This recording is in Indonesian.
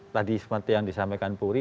tadi seperti yang disampaikan puri